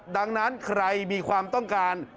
ดังนั้นใครมีความต้องการ